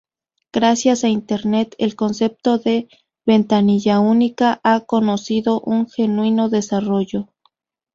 Gracias a internet, el concepto de "ventanilla única" ha conocido un genuino desarrollo.